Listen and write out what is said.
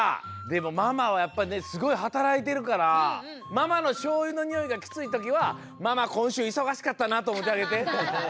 でもママはやっぱりねすごいはたらいてるからママのしょうゆのにおいがきついときは「ママこんしゅういそがしかったな」とおもってあげて！